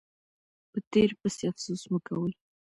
په تیر پسې افسوس مه کوئ.